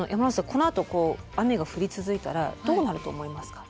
このあと雨が降り続いたらどうなると思いますか？